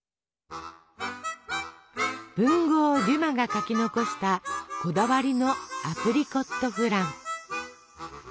文豪デュマが書き残したこだわりのアプリコットフラン。